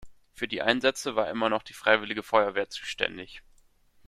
Für die Einsätze war immer noch die Freiwillige Feuerwehr zuständig.